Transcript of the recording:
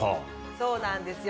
そうなんですよ。